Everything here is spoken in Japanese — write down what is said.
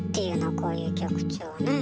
こういう曲調ねえ？